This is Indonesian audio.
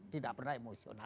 tidak pernah emosional